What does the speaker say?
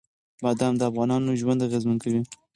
بادام د افغانانو ژوند اغېزمن کوي.